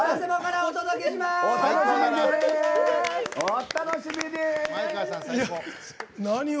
お楽しみに！